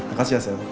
makasih ya sel